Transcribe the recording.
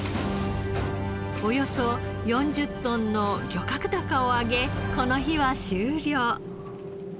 およそ４０トンの漁獲高を上げこの日は終了。